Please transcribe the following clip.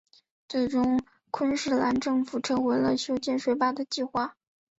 最终昆士兰州政府撤回了修建水坝的计划。